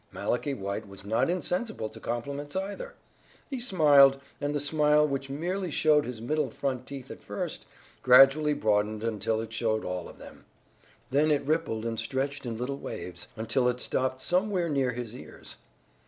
Malachi White was not insensible to compliments either. He smiled, and the smile which merely showed his middle front teeth at first, gradually broadened until it showed all of them. Then it rippled and stretched in little waves, until it stopped somewhere near his ears.